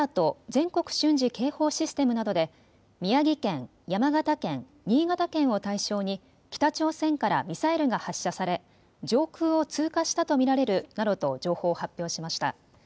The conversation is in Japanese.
・全国瞬時警報システムなどで宮城県、山形県、新潟県を対象に北朝鮮からミサイルが発射され上空を通過したと見られるなどと情報を発表しました。